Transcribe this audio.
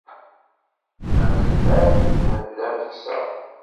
Am lmal mebla ameksa.